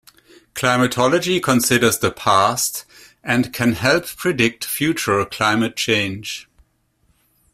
Climatology considers the past and can help predict future climate change.